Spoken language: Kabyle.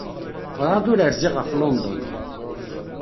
Werɛad ur rziɣ ara ɣef London.